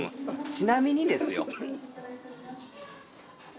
ちなみにですよ。